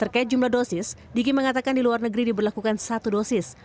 terkait jumlah dosis diki mengatakan di luar negeri diberlakukan satu dosis